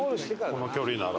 この距離なら。